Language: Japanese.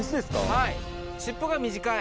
はい。